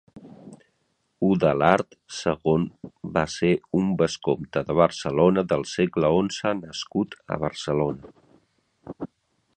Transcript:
Udalard segon va ser un vescomte de Barcelona del segle onze nascut a Barcelona.